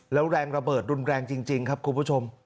แล้วแรงระเบิดรุนแรงจริงครับคุณผู้ชม